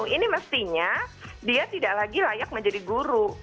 ini mestinya dia tidak lagi layak menjadi guru